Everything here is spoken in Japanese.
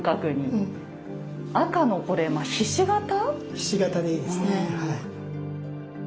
ひし形でいいですねはい。